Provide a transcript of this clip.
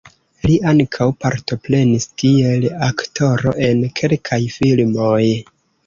Li ankaŭ partoprenis kiel aktoro en kelkaj filmoj.